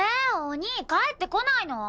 お兄帰ってこないの？